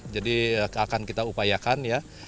jadi akan kita upayakan